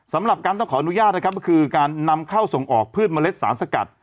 สำหรับการต้องขออนุญาตนะครับก็คือการนำเข้าส่งออกพืชเมล็ดสารสกัด